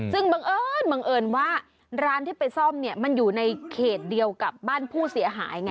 ซึ่งบังเอิญบังเอิญว่าร้านที่ไปซ่อมเนี่ยมันอยู่ในเขตเดียวกับบ้านผู้เสียหายไง